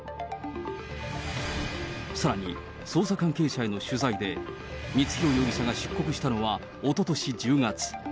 さらに、捜査関係者への取材で、光弘容疑者が出国したのはおととし１０月。